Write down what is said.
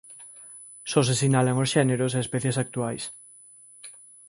Só se sinalan os xéneros e especies actuais.